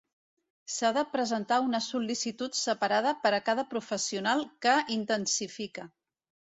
S'ha de presentar una sol·licitud separada per a cada professional que intensifica.